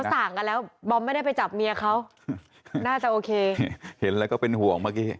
สั่งกันแล้วบอมไม่ได้ไปจับเมียเขาน่าจะโอเคเห็นแล้วก็เป็นห่วงเมื่อกี้